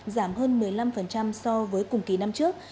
giảm hơn một mươi năm so với cùng kỳ năm trước